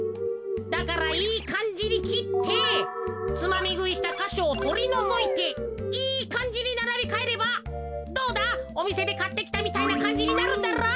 だからいいかんじにきってつまみぐいしたかしょをとりのぞいていいかんじにならびかえればどうだおみせでかってきたみたいなかんじになるだろ？